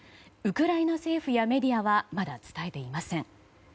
ウクライナ政府やメディアはまだ伝えていません。